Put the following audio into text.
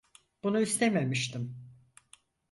Bunu istememiştim.